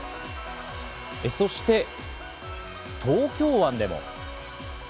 そして、東京湾でも。